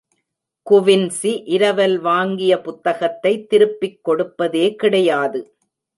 Quincy, இரவல் வாங்கிய புத்தகத்தை திருப்பிக் கொடுப்பதே கிடையாது.